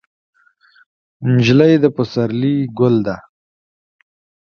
نجلۍ د پسرلي ګل ده.